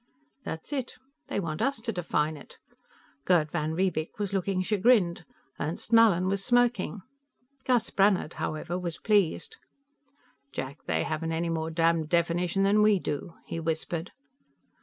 That's it. They want us to define it. Gerd van Riebeek was looking chagrined; Ernst Mallin was smirking. Gus Brannhard, however, was pleased. "Jack, they haven't any more damn definition than we do," he whispered.